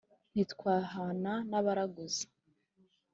ntitwahwana n’abaraguza?”